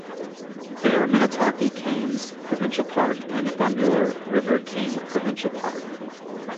They are Minnitaki Kames Provincial Park and Bonheur River Kame Provincial Park.